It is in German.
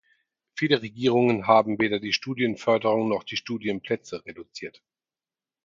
Viele Regierungen haben weder die Studienförderung noch die Studienplätze reduziert.